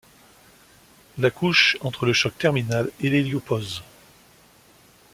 La couche entre le choc terminal et l'héliopause.